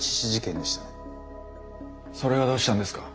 それがどうしたんですか。